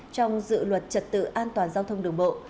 trong dự luật trật tự an toàn giao thông đường bộ